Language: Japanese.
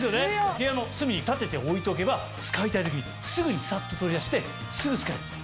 部屋の隅に立てて置いておけば使いたい時にすぐにサッと取り出してすぐ使えるんです。